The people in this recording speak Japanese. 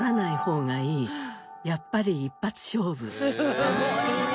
すごいねえ！